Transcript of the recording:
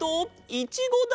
いちごだ！